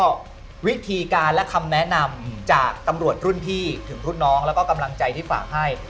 ก็วิธีการและคำแนะนำจากตำรวจรุ่นพี่ถึงรุ่นน้องแล้วก็กำลังใจที่ฝากให้